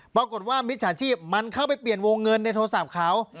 มิจฉาชีพมันเข้าไปเปลี่ยนวงเงินในโทรศัพท์เขา